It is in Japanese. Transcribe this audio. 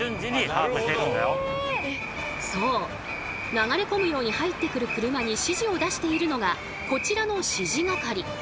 流れ込むように入ってくる車に指示を出しているのがこちらの指示係。